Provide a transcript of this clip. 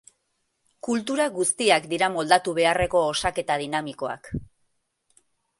Kultura guztiak dira moldatu beharreko osaketa dinamikoak.